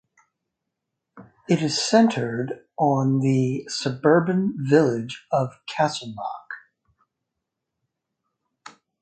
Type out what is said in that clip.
It is centred on the suburban village of Castleknock.